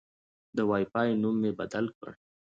د وای فای نوم مې بدل کړ.